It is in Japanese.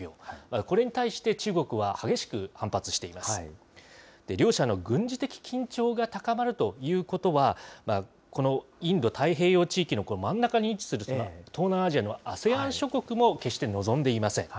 これに対して、中国は激しく反発しています。両者の軍事的緊張が高まるということは、このインド太平洋地域の真ん中に位置する東南アジアのＡＳＥＡＮ諸国も決して望んでいません。